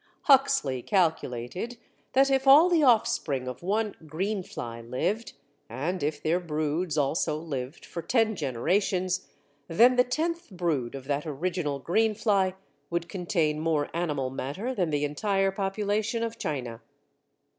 Huxley calculated that if all the offspring of one "green fly" lived, and if their broods also lived for ten generations, then the tenth brood of that original green fly would contain more animal matter than the entire population of China.